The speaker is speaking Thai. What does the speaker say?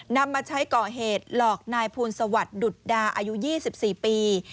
นำมาใช้ก่อเหตุหลอกนายภูลสวัสดิ์ดุดดาอายุ๒๔ปี